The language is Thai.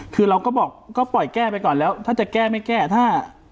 คือเราก็บอกก็ปล่อยแก้ไปก่อนแล้วถ้าจะแก้ไม่แก้ถ้า